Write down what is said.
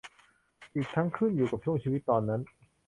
อีกทั้งขึ้นอยู่กับช่วงชีวิตตอนนั้น